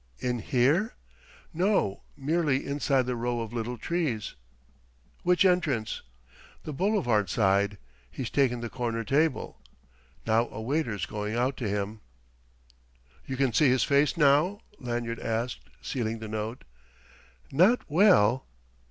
"In here?" "No merely inside the row of little trees." "Which entrance?" "The boulevard side. He's taken the corner table. Now a waiter's going out to him." "You can see his face now?" Lanyard asked, sealing the note. "Not well...."